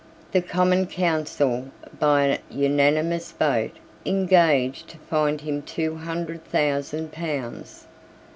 The Common Council, by an unanimous vote, engaged to find him two hundred thousand pounds.